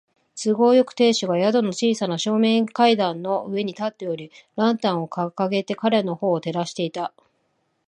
都合よく、亭主が宿の小さな正面階段の上に立っており、ランタンをかかげて彼のほうを照らしていた。